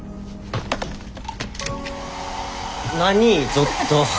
ちょっと。